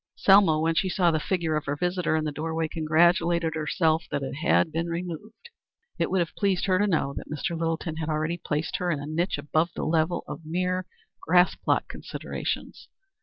Selma, when she saw the figure of her visitor in the door way, congratulated herself that it had been removed. It would have pleased her to know that Mr. Littleton had already placed her in a niche above the level of mere grass plot considerations.